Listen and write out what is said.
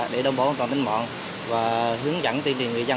để đảm bảo an toàn tính mạng và hướng dẫn tiên triền người dân